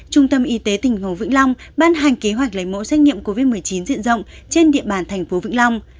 trung tâm y tế tỉnh hồ vĩnh long ban hành kế hoạch lấy mẫu xét nghiệm covid một mươi chín diện rộng trên địa bàn thành phố vĩnh long